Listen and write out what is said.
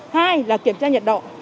hai là kiểm tra nhiệt độ